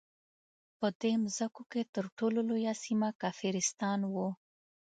په دې مځکو کې تر ټولو لویه سیمه کافرستان وو.